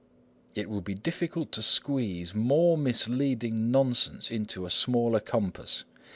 It would be difficult to squeeze more misleading nonsense into a smaller compass.